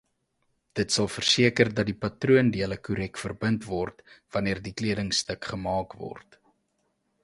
Dit sal verseker dat die patroondele korrek verbind word wanneer die kledingstuk gemaak word.